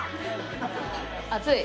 熱い？